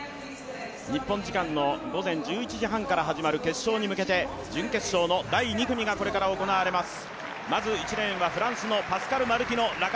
日本時間の午前１１時半から始まる決勝に向けて準決勝の第２組がこれから行われます。